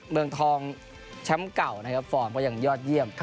เมืองทองชั้นเก่าฟอร์มยังยอดเยี่ยม